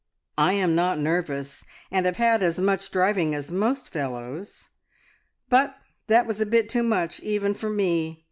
I am not nervous, and have had as much driving as most fellows, but that was a bit too much even for me.